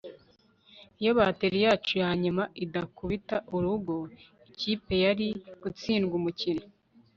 iyo batteri yacu ya nyuma idakubita urugo, ikipe yari gutsindwa umukino